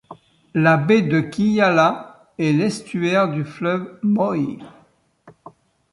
La baie de Killala est l’estuaire du fleuve Moy.